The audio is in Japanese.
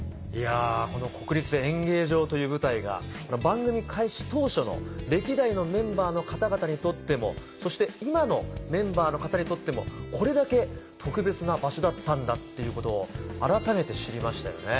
この国立演芸場という舞台が番組開始当初の歴代のメンバーの方々にとってもそして今のメンバーの方にとってもこれだけ特別な場所だったんだっていうことを改めて知りましたよね。